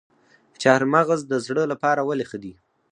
چهارمغز د زړه لپاره ولې ښه دي؟